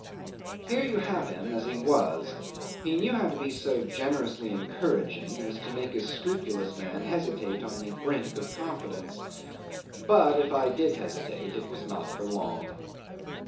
'Here you have him as he was; he knew how to be so generously encouraging as to make a scrupulous man hesitate on the brink of confidence; but if I did hesitate it was not for long.